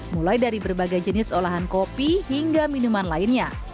mulai dari berbagai jenis olahan kopi hingga minuman lainnya